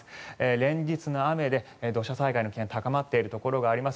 連日の雨で土砂災害の危険が高まっているところがあります。